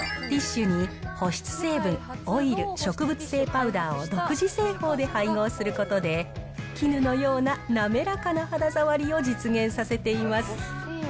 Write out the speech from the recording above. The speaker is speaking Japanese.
ティッシュに保湿成分、オイル、植物性パウダーを独自製法で配合することで、絹のような滑らかな肌触りを実現させています。